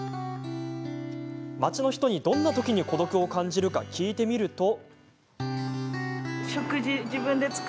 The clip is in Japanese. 街の人にどんなときに孤独を感じるか聞いてみると。